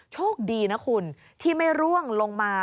โชคดีนะคุณที่ไม่ร่วงลงมา